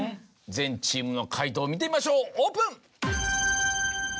全チームの解答を見てみましょうオープン！